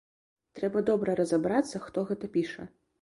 Трэба добра разабрацца, хто гэта піша.